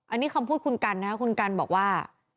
อันนี้คำพูดคุณกันนะครับคุณกันบอกว่า